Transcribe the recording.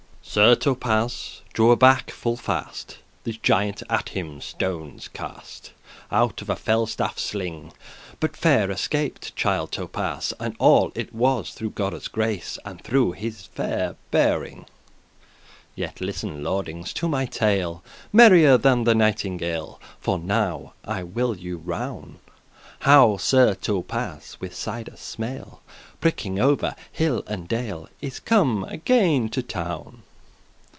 * *slain Sir Thopas drew aback full fast; This giant at him stones cast Out of a fell staff sling: But fair escaped Child Thopas, And all it was through Godde's grace, And through his fair bearing. <17> Yet listen, lordings, to my tale, Merrier than the nightingale, For now I will you rown,* *whisper How Sir Thopas, with sides smale,* *small <18> Pricking over hill and dale, Is come again to town.